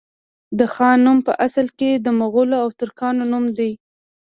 د خان نوم په اصل کي د مغولو او ترکانو نوم دی